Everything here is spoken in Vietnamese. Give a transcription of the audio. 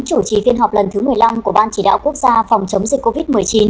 chủ trì phiên họp lần thứ một mươi năm của ban chỉ đạo quốc gia phòng chống dịch covid một mươi chín